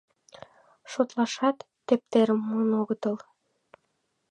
Шотлашат тептерым муын огытыл.